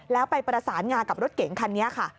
แล้วไปประสานงากับรถเก๋งคันนี้ค่ะ